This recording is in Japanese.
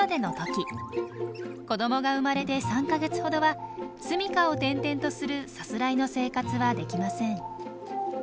子どもが生まれて３か月ほどはすみかを転々とするさすらいの生活はできません。